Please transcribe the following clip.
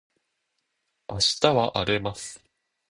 明日は荒れます